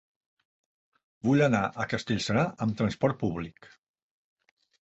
Vull anar a Castellserà amb trasport públic.